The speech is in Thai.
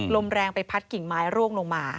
ลมแรงไปพัดกิ่งไม้ร่วงลงมา